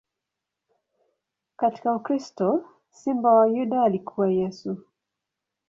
Katika ukristo, Simba wa Yuda alikuwa Yesu.